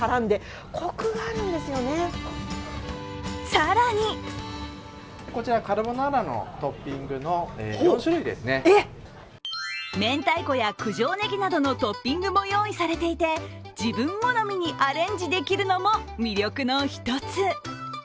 更にめんたいこや九条ねぎなどのトッピングも用意されていて自分好みにアレンジできるのも魅力の１つ。